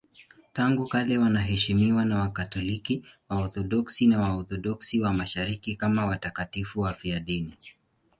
Tangu kale wanaheshimiwa na Wakatoliki, Waorthodoksi na Waorthodoksi wa Mashariki kama watakatifu wafiadini.